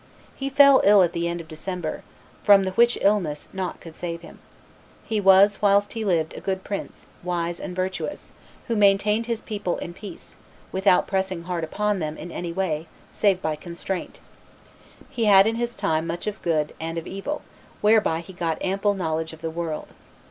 He fell ill at the end of December, from the which illness nought could save him. He was, whilst he lived, a good prince, wise and virtuous, who maintained his people in peace, without pressing hard upon them in any way, save by constraint. He had in his time much of good and of evil, whereby he got ample knowledge of the world.